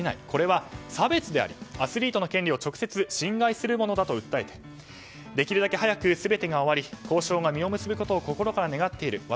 これは差別でありアスリートの権利を直接侵害するものだと訴えできるだけ早く全てが終わり交渉が実を結ぶことを心から願っている。